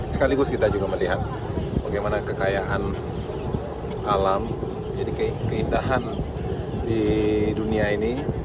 sekaligus kita juga melihat bagaimana kekayaan alam jadi keindahan di dunia ini